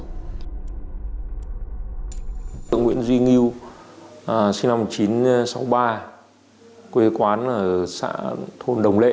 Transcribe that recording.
cách nhà của dũng chỉ vài cây số là thôn đồng lệ